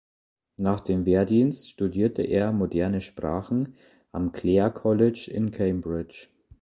Nach dem Wehrdienst studierte er moderne Sprachen am Clare College in Cambridge.